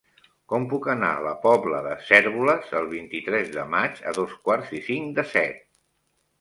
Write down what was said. Com puc anar a la Pobla de Cérvoles el vint-i-tres de maig a dos quarts i cinc de set?